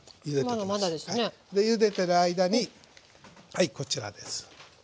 ゆでてる間にはいこちらです。